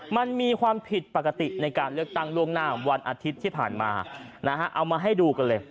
มันมีความผิดปกติในการเลือกตั้งล่วงหน้าวันอาทิตย์ที่ผ่านมานะฮะเอามาให้ดูกันเลย